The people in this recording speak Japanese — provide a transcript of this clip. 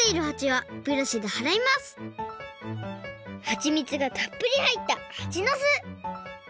はちみつがたっぷりはいったはちの巣！